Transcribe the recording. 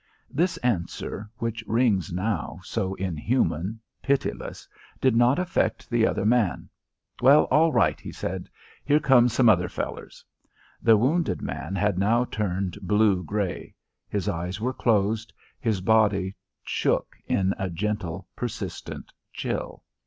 This answer, which rings now so inhuman, pitiless, did not affect the other man. "Well, all right," he said. "Here comes some other fellers." The wounded man had now turned blue grey; his eyes were closed; his body shook in a gentle, persistent chill.